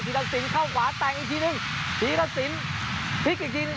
ทีละสินเข้าขวาแต่งอีกทีหนึ่งทีละสินพลิกอีกทีหนึ่ง